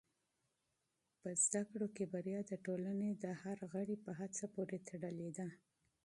په تعلیم کې بریا د ټولنې د هر غړي په هڅه پورې تړلې ده.